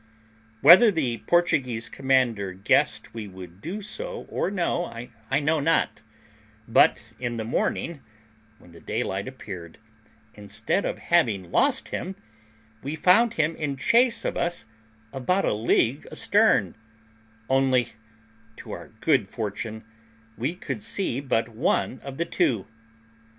Whether the Portuguese commander guessed we would do so or no, I know not; but in the morning, when the daylight appeared, instead of having lost him, we found him in chase of us about a league astern; only, to our great good fortune, we could see but one of the two.